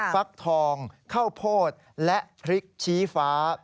ฟักทองข้าวโพดและพริกชี้ฟ้า